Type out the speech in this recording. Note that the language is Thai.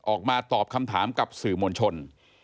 ออกมาตอบคำถามกับสื่อมวลชน